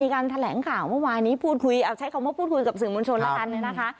การแถลงข่าวเมื่อวานนี้พูดคุยเอาใช้คำว่าพูดคุยกับสื่อมวลชนแล้วกันเนี่ยนะคะ